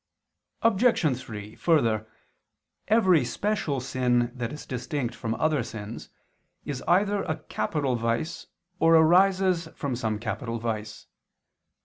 Obj. 3: Further, every special sin that is distinct from other sins, is either a capital vice, or arises from some capital vice.